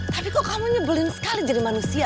tapi kok kamu nyebelin sekali jadi manusia